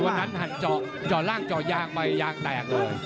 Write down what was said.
วันนั้นหันจอยางใหญ่ไหลงจอยยางแตกเลย